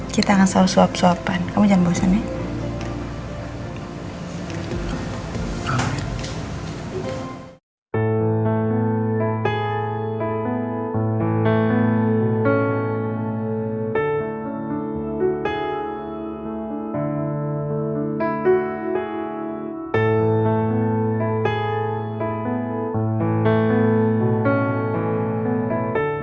kita akan selalu suap suapan kamu jangan bosan ya